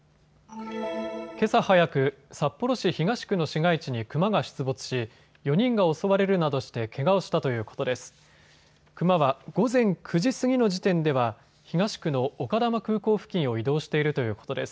けさ早く、札幌市東区の市街地にクマが出没し４人が襲われるなどしてけがをしたということです。